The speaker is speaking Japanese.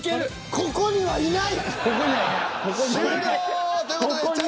ここにはいない。